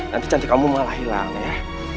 nanti cantik kamu malah hilang ya